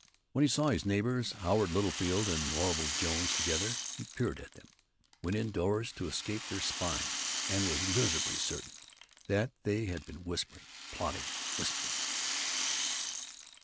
When he saw his neighbors Howard Littlefield and Orville Jones together, he peered at them, went indoors to escape their spying, and was miserably certain that they had been whispering plotting whispering.